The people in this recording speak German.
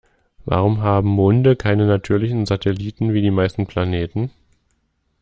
Warum haben Monde keine natürlichen Satelliten wie die meisten Planeten?